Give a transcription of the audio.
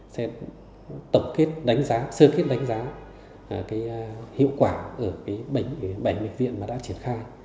sẽ tổng kết đánh giá sơ kết đánh giá hiệu quả ở bảy bảy bệnh viện mà đã triển khai